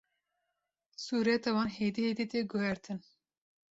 sûreta wan hêdî hêdî tê guhertin